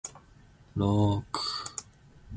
Bhalela umndeni wakhe uwududuze uwunike nethemba.